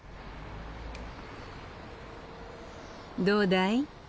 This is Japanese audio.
どうだい？